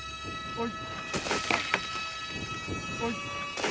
はい。